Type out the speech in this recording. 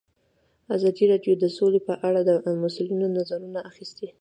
ازادي راډیو د سوله په اړه د مسؤلینو نظرونه اخیستي.